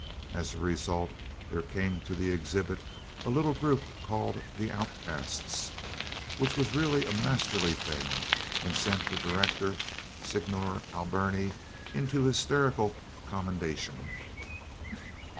As a result there came to the exhibit a little group called "The Outcasts," which was really a masterly thing and sent the director, Signor Alberni, into hysterical commendation.